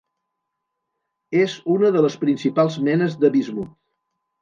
És una de les principals menes de bismut.